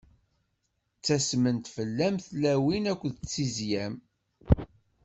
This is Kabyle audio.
Ttasment fell-am tlawin akked tizya-m.